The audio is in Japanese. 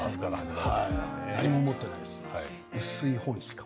何も持っていないです。